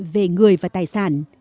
về người và tài sản